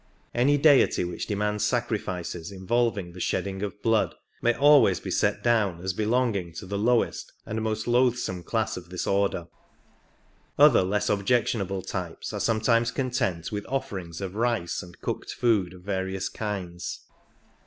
Any deity which demands sacri fices involving the shedding of blood may always be set down as belonging to the lowest and most loathsome class of this order ; other less objectionable types are sometimes 76 content with offerings of rice and cooked food of various kinds.